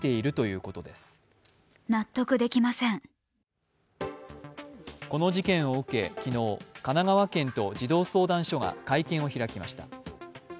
この事件を受け、昨日、神奈川県と児童相談所が会見を開きました。